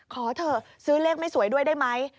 ขอเถอะซื้อเลขไม่สวยด้วยได้ไหม